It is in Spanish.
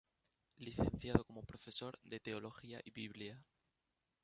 Licenciado como Profesor de Teología y Biblia.